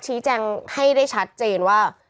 ชี้แจงให้ได้ชัดเจนว่า